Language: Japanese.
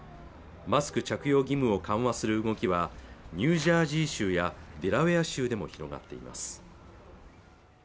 マスク着用義務を緩和する動きはニュージャージー州やデラウェア州でも広がっています